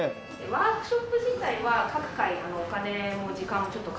ワークショップ自体は各回お金も時間もちょっと変わってくる。